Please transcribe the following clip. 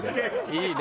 いいね。